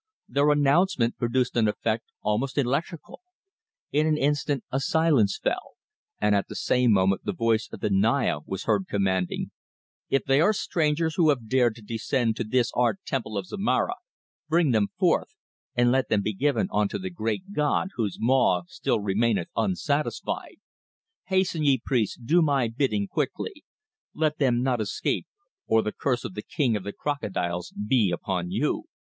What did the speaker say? Their announcement produced an effect almost electrical. In an instant a silence fell, and at the same moment the voice of the Naya was heard commanding: "If they are strangers who have dared to descend to this our Temple of Zomara, bring them forth, and let them be given unto the great god whose maw still remaineth unsatisfied. Hasten, ye priests, do my bidding quickly; let them not escape, or the curse of the King of the Crocodiles be upon you."